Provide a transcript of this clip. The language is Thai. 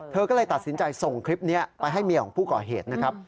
เธอก็เลยตัดสินใจส่งคลิปนี้ไปให้เมียของผู้ก่อเหตุนะครับ